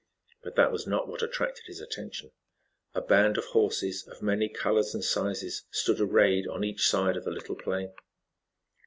But that was not what attracted his attention. A band of horses of many colors and sizes stood arrayed on each side of the little plain.